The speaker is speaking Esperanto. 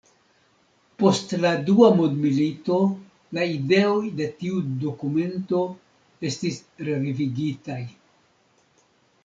Post la dua mondmilito la ideoj de tiu dokumento estis revivigitaj.